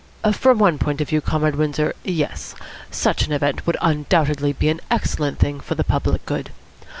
"From one point of view, Comrade Windsor, yes. Such an event would undoubtedly be an excellent thing for the public good.